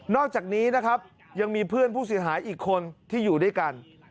อกจากนี้นะครับยังมีเพื่อนผู้เสียหายอีกคนที่อยู่ด้วยกัน